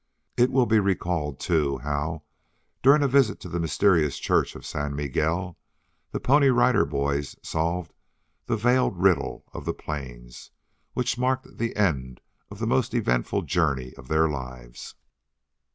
It will be recalled, too, how, during a visit to the mysterious church of San Miguel, the Pony Rider Boys solved the veiled riddle of the plains, which marked the end of the most eventful journey of their lives.